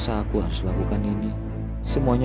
ada ular juga kan